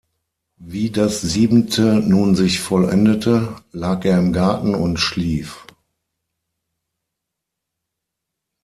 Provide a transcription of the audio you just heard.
Wie das siebente nun sich vollendete, lag er im Garten und schlief.